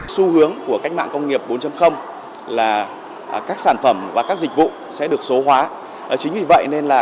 xu hướng của cách mạng công nghiệp bốn là các sản phẩm và các dịch vụ sẽ được số hóa